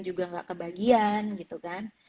juga nggak kebagian gitu kan